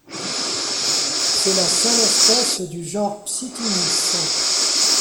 C'est la seule espèce du genre Psittinus.